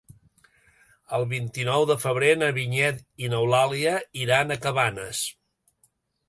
El vint-i-nou de febrer na Vinyet i n'Eulàlia iran a Cabanes.